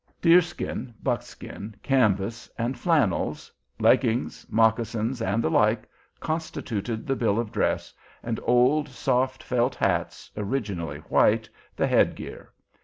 Deerskin, buckskin, canvas, and flannels, leggings, moccasins, and the like, constituted the bill of dress, and old soft felt hats, originally white, the head gear.